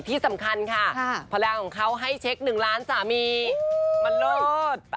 ที่สำคัญค่ะพลังของเขาให้เช็ค๑ล้านสามีมันเลิศ